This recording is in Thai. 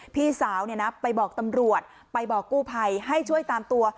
พี่สาวไปบอกตำรวจไปบอกกู้ภัยให้ช่วยตามตัว